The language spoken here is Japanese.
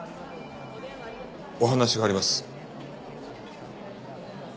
お話があります。